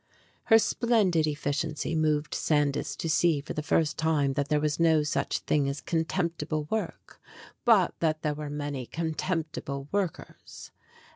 Her splendid efficiency moved Sandys to see for the first time that there was no such thing as contemptible work, but that there were many contemptible workers.